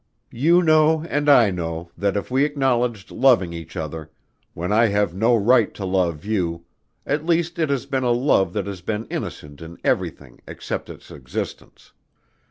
You know and I know that if we acknowledged loving each other, when I have no right to love you, at least it has been a love that has been innocent in everything except its existence.